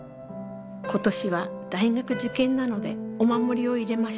今年は大学受験なので御守りを入れました。